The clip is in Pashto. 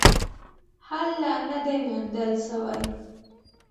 حل لا نه دی موندل سوی.